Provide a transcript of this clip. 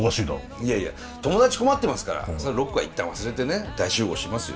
いやいや友達困ってますからロックは一旦忘れてね大集合しますよ